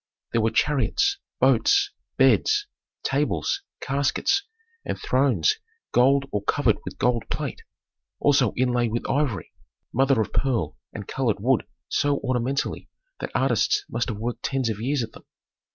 There were chariots, boats, beds, tables, caskets, and thrones gold or covered with gold plate, also inlaid with ivory, mother of pearl and colored wood so ornamentally that artists must have worked tens of years at them.